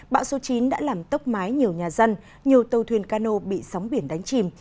bão số chín đã làm tốc mái nhiều nhà dân nhiều tàu thuyền cano bị sóng biển đánh chìm